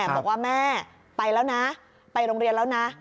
บอกว่าแม่ไปแล้วนะไปโรงเรียนแล้วนะ